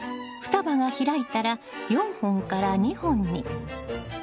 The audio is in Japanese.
双葉が開いたら４本から２本に。